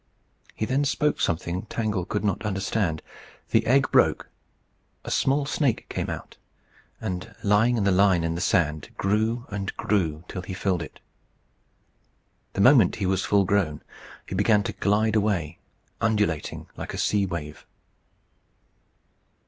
He then spoke something Tangle could not understand. The egg broke, a small snake came out, and, lying in the line in the sand, grew and grew till he filled it. The moment he was thus full grown, he began to glide away, undulating like a sea wave.